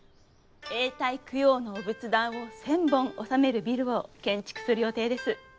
永代供養のお仏壇を１，０００本納めるビルを建築する予定です。